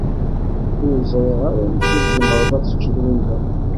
Ur ẓriɣ ara amek i tzemreḍ ad teččeḍ winna.